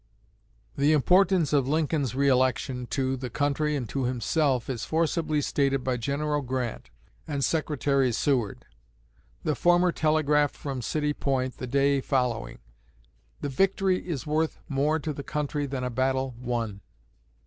The importance of Lincoln's re election, to the country and to himself, is forcibly stated by General Grant and Secretary Seward. The former telegraphed from City Point, the day following: "The victory is worth more to the country than a battle won."